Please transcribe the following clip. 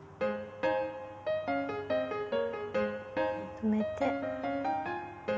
止めて。